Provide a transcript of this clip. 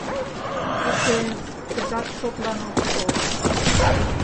— Уке-е, тыгат шотлан ок тол.